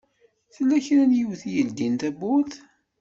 Tella kra n yiwet i yeldin tawwurt.